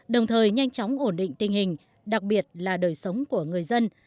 đồng thời nhanh chóng ổn định tình hình đặc biệt là đời sống của người dân